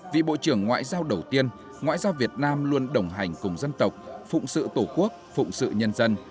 vị bộ trưởng ngoại giao đầu tiên ngoại giao việt nam luôn đồng hành cùng dân tộc phụng sự tổ quốc phụng sự nhân dân